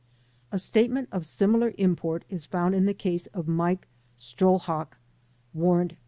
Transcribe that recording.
A statement of similar import is found in the case of Mike Strlhok (Warrant No.